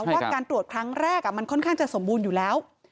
ว่าการตรวจครั้งแรกมันค่อนข้างจะสมบูรณ์อยู่แล้ว